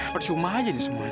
bersumah aja ini semuanya